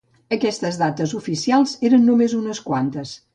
Aquestes dates oficials eren només unes quantes.